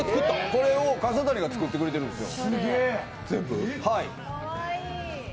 これを笠谷が作ってくれてるんですよ、全部。